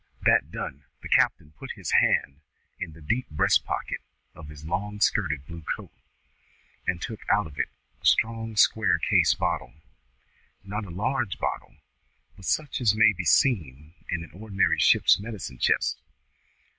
That done, the captain put his hand in the deep breast pocket of his long skirted blue coat, and took out of it a strong square case bottle, not a large bottle, but such as may be seen in any ordinary ship's medicine chest.